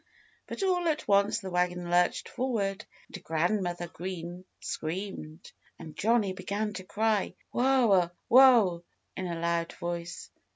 But all at once the wagon lurched forward and Grandmother Green screamed. And Johnnie began to cry "Whoa! whoa!" in a loud voice.